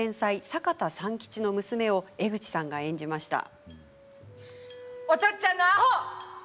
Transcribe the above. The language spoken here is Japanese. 坂田三吉の娘を江口さんが演じました。